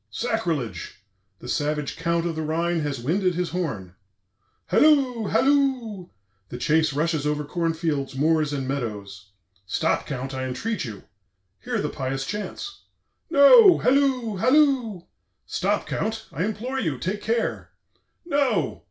Sacrilege! The savage Count of the Rhine has winded his horn. "Halloo! Halloo! The chase rushes over corn fields, moors, and meadows. 'Stop, Count, I entreat you; hear the pious chants!' No! Halloo! Halloo! 'Stop, Count, I implore you; take care!' No!